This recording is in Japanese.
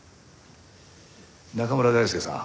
中村大輔さん。